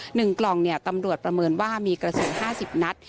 หนึ่งกล่องตำรวจประเมินว่ามีกระสุน๕๐นัท